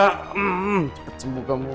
cepet sembuh kamu